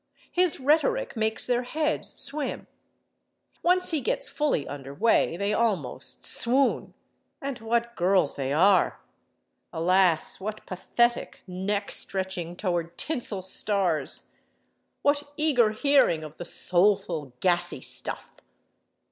His rhetoric makes their heads swim. Once he gets fully under way, they almost swoon.... And what girls they are! Alas, what pathetic neck stretching toward tinsel stars! What eager hearing of the soulful, gassy stuff!